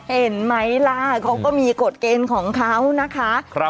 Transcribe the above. เห็นไหมล่ะเขาก็มีกฎเกณฑ์ของเขานะคะ